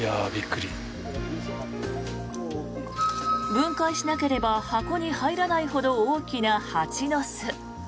分解しなければ箱に入らないほど大きな蜂の巣。